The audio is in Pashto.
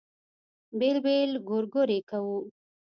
بېل بېل ګورګورې کوو.